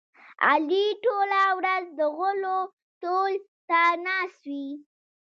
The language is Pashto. علي ټوله ورځ د غولو تول ته ناست وي.